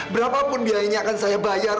berapapun biayanya akan saya bayar